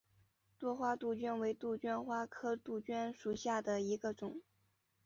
多花杜鹃为杜鹃花科杜鹃属下的一个种。